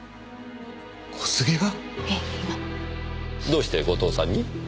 どうして後藤さんに？